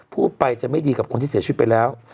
พูดไปจะไม่ดีกับคนที่เสียชีวิตไปแล้ว